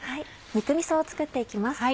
肉みそを作って行きます。